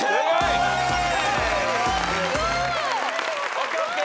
ＯＫＯＫ。